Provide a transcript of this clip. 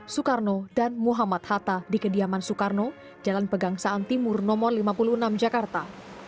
soekarno dan muhammad hatta di kediaman soekarno jalan pegangsaan timur no lima puluh enam jakarta